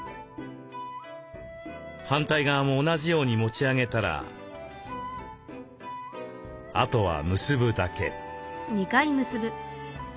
反対側も同じように持ち上げたらあとは結ぶだけ。